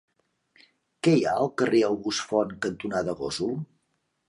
Què hi ha al carrer August Font cantonada Gósol?